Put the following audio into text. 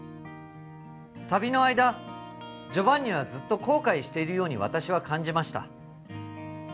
旅の間ジョバンニはずっと後悔しているように私は感じました